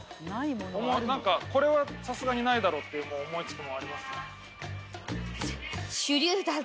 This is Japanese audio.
何かこれはさすがにないだろうって思い付くものあります？